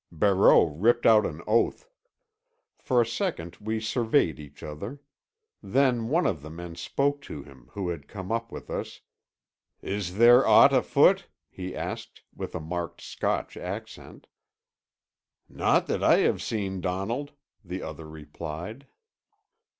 Barreau ripped out an oath. For a second we surveyed each other. Then one of the men spoke to him who had come up with us: "Is there aught afoot?" he asked, with a marked Scotch accent. "Not that I have seen, Donald," the other replied.